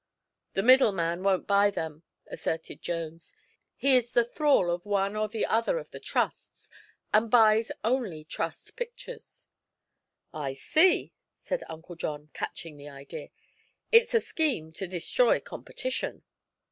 "The middleman won't buy them," asserted Jones. "He is the thrall of one or the other of the trusts, and buys only trust pictures." "I see," said Uncle John, catching the idea; "it's a scheme to destroy competition."